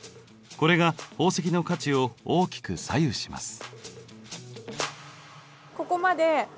これが宝石の価値を大きく左右します。